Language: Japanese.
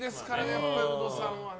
やっぱりウドさんはね。